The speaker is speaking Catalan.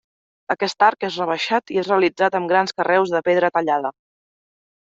Aquest arc és rebaixat i és realitzat amb grans carreus de pedra tallada.